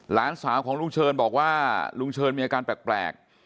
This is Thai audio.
หลานสาวของลุงเชิญบอกว่าลุงเชิญมีอาการแปลก